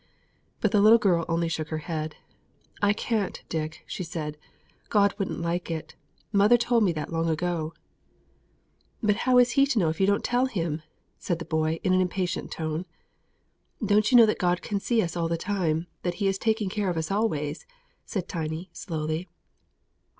But the little girl only shook her head. "I can't, Dick," she said; "God wouldn't like it; mother told me that long ago." "But how is He to know if you don't tell Him?" said the boy, in an impatient tone. "Don't you know that God can see us all the time; that He's taking care of us always?" said Tiny, slowly.